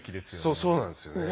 そうなんですよね。